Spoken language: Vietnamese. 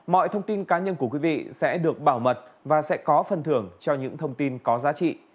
mọi thông tin cá nhân của quý vị sẽ được bảo mật và sẽ có phần thưởng cho những thông tin có giá trị